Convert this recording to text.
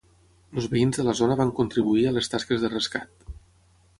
Els veïns de la zona van contribuir a les tasques de rescat.